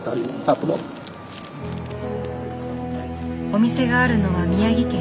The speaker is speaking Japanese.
お店があるのは宮城県。